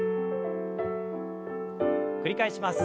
繰り返します。